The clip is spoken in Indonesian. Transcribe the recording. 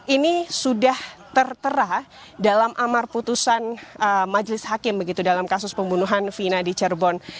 ini sudah tertera dalam amar putusan majelis hakim dalam kasus pembunuhan vina di cirebon